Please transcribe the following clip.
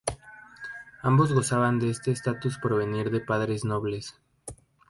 Ambos gozaban de este estatus por provenir de padres nobles.